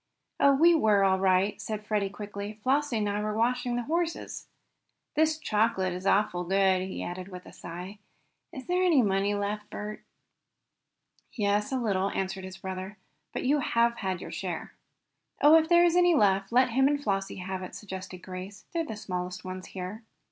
"Oh, we were all right," said Freddie quickly. "Flossie and I were watching the horses. This chocolate is awful good!" he added with a sigh. "Is there any money left, Bert?" "Yes, a little," answered his brother "But you have had your share." "Oh, if there is any left let him and Flossie have it," suggested Grace. "They're the smallest ones here."